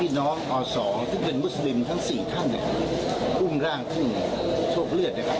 น้องอศซึ่งเป็นมุสลิมทั้ง๔ท่านอุ้มร่างขึ้นโชคเลือดนะครับ